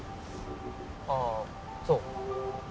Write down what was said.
ああそう。